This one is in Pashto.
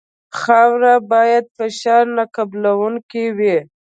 خاوره باید فشار نه قبلوونکې وي